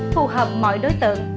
phù hợp mọi đối tượng